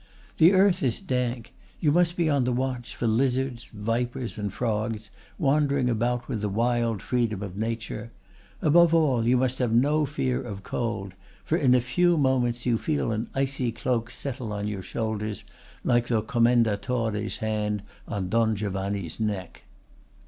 The earth is dank; you must be on the watch for lizards, vipers, and frogs, wandering about with the wild freedom of nature; above all, you must have no fear of cold, for in a few moments you feel an icy cloak settle on your shoulders, like the Commendatore's hand on Don Giovanni's neck.